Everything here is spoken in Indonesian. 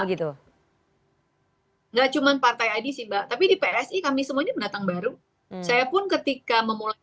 gitu enggak cuman partai id sih mbak tapi di psi kami semuanya pendatang baru saya pun ketika memulai